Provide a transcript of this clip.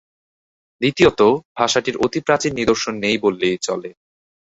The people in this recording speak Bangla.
দ্বিতীয়ত, ভাষাটির অতি প্রাচীন নিদর্শন নেই বললেই চলে।